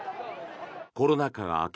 コロナ禍が明け